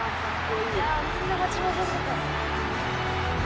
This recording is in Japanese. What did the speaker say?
みんな待ち望んでた。